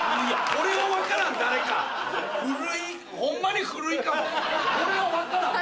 これは分からんマジで。